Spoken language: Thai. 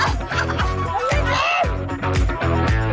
ไอ้เก๋ง